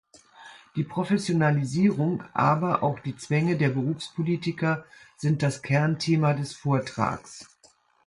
Die Professionalisierung aber auch die Zwänge der Berufspolitiker sind das Kernthema des Vortrags.